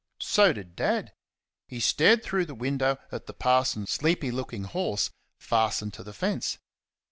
So did Dad. He stared through the window at the parson's sleepy looking horse, fastened to the fence.